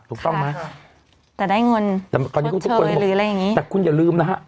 ถูกต้องไหมค่ะแต่ได้เงินแต่ก่อนนี้ทุกคนบอกแต่คุณอย่าลืมนะฮะ